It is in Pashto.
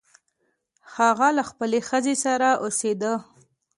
هغه له خپلې ښځې سره اوسیده.